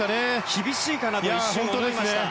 厳しいかなと思いました。